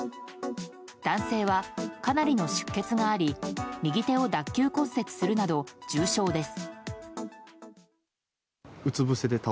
男性はかなりの出血があり右手を脱臼骨折するなど重傷です。